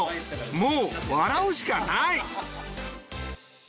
もう笑うしかない。